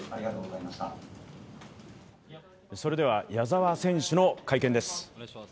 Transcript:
それでは矢澤選手の会見です。